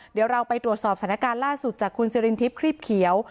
เดี๋ยวเราไปตรวจสอบสถานการณ์ล่าสุดจากคุณสิรินทิพย์ครีบเขียว